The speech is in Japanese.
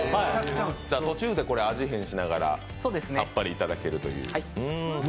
途中で味変しながら、さっぱりいただけるという。